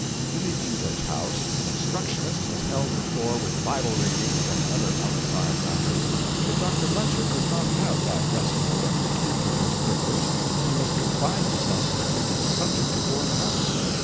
In the English House an obstructionist has held the floor with Bible readings and other outside matters; but Dr. Lecher could not have that restful and recuperative privilege he must confine himself strictly to the subject before the House.